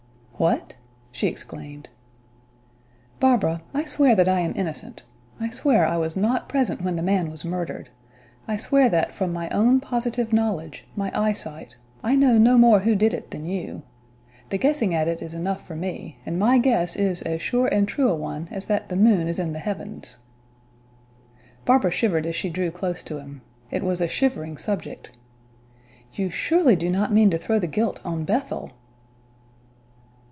"What!" she exclaimed. "Barbara, I swear that I am innocent; I swear I was not present when the man was murdered; I swear that from my own positive knowledge, my eyesight, I know no more who did it than you. The guessing at it is enough for me; and my guess is as sure and true a one as that the moon is in the heavens." Barbara shivered as she drew close to him. It was a shivering subject. "You surely do not mean to throw the guilt on Bethel?"